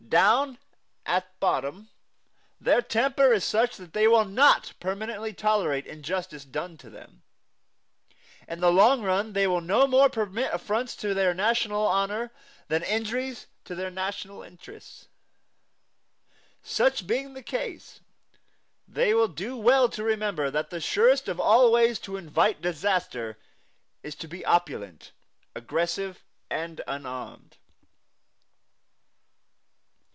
Down at bottom their temper is such that they will not permanently tolerate injustice done to them. In the long run they will no more permit affronts to their National honor than injuries to their national interest. Such being the case, they will do well to remember that the surest of all ways to invite disaster is to be opulent, aggressive and unarmed.